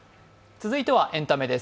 続いてはエンタメです。